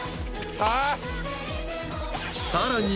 ［さらに］